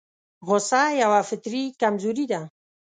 غوسه يوه فطري کمزوري ده.